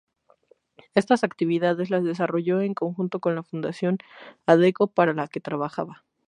Estas actividades las desarrolla en conjunto con la Fundación Adecco para la que trabaja.